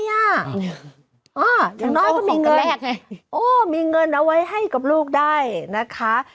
อย่างน้อยก็มีเงินแรกไงโอ้มีเงินเอาไว้ให้กับลูกได้นะคะ